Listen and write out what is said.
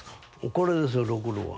これですよろくろは。